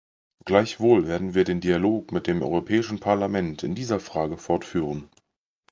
Gleichwohl werden wir den Dialog mit dem Europäischen Parlament in dieser Frage fortführen.